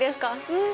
うん！